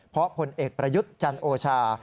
เพราะผลเอกประยุทธ์จันโอชา